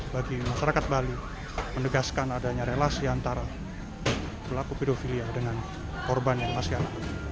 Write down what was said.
bagi masyarakat bali menegaskan adanya relasi antara pelaku pedofilia dengan korban yang masih ada